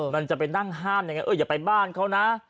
มันจะไปนั่งห้ามยังไงเอออย่าไปบ้านเขานะ